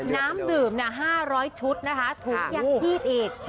น้ำดื่ม๕๐๐ชุดถุงยางที่ติด